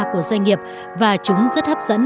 của doanh nghiệp và chúng rất hấp dẫn